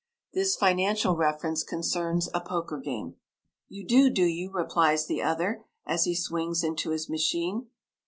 This financial reference concerns a poker game. "You do, do you?" replies the other as he swings into his machine.